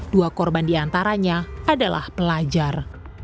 dua korban di antaranya adalah pelajar